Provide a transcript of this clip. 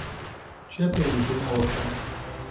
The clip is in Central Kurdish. کێ پێی گوتوون ئەوە بکەن؟